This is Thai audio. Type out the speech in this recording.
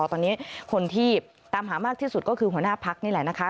ตอนนี้คนที่ตามหามากที่สุดก็คือหัวหน้าพักนี่แหละนะคะ